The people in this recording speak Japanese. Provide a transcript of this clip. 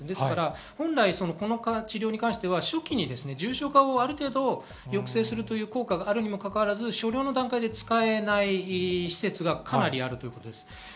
本来この治療に関しては初期に重症化を抑制するという効果があるにもかかわらず、使えない施設がかなりあるということです。